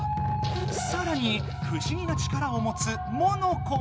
さらにふしぎな力をもつモノコ。